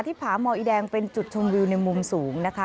ผาหมออีแดงเป็นจุดชมวิวในมุมสูงนะคะ